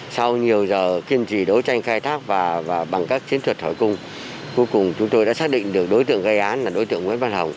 sau nhiều giờ kiên trì đấu tranh khai thác và bằng các chiến thuật hỏi cung cuối cùng chúng tôi đã xác định được đối tượng gây án là đối tượng nguyễn văn hồng